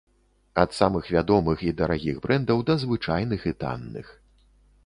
Ад самых вядомых і дарагіх брэндаў да звычайных і танных.